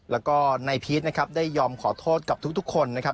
แล้วก็นายพีชนะครับได้ยอมขอโทษกับทุกคนนะครับ